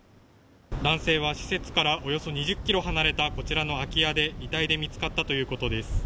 男性は施設からおよそ２０ｋｍ離れたこちらの空き家で遺体で見つかったということです。